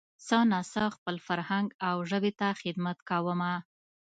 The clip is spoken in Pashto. څه نا څه خپل فرهنګ او ژبې ته خدمت کومه